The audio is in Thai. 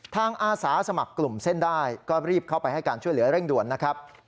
อาสาสมัครกลุ่มเส้นได้ก็รีบเข้าไปให้การช่วยเหลือเร่งด่วนนะครับ